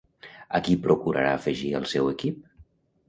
A qui procurarà afegir al seu equip?